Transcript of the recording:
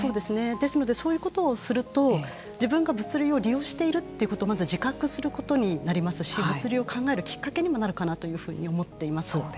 ですのでそういうことをすると自分が物流を利用しているということをまず自覚することになりますし物流を考えるきっかけにもなるかなというふうに思っています。